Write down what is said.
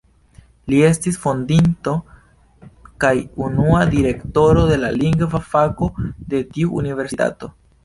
Li estis fondinto kaj unua Direktoro de la Lingva Fako de tiu universitato.